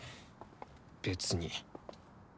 別に。